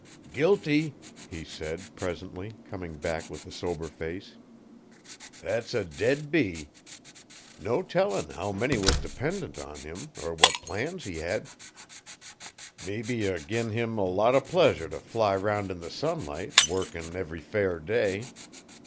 'Guilty!' he said, presently, coming back with a sober face. 'Thet's a dead bee. No tellin' how many was dependent on him er what plans he bed. Must a gi'n him a lot o' pleasure t' fly round in the sunlight, workin' every fair day.